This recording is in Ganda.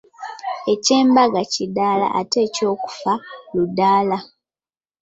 Eky’embaga kidaala ate eky’okufa ludaala.